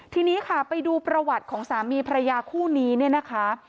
ทีนี้ค่ะไปดูประวัติของสามีภรรยาคู่นี้เนี่ยนะคะ